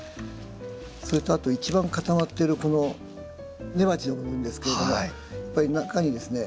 それとあと一番固まっているこの根鉢の部分ですけれどもやっぱり中にですね